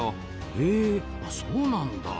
へえそうなんだ。